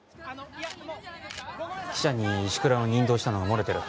記者に石倉を任同したのが漏れてる。